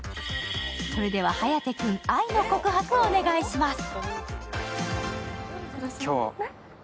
それでは颯君、愛の告白をお願いします。